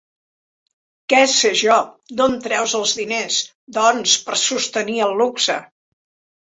Què sé jo! D'on treus els diners, doncs, per sostenir el luxe?